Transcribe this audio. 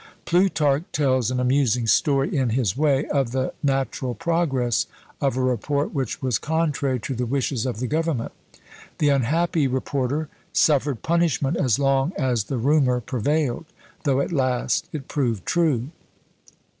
Plutarch tells an amusing story, in his way, of the natural progress of a report which was contrary to the wishes of the government; the unhappy reporter suffered punishment as long as the rumour prevailed, though at last it proved true.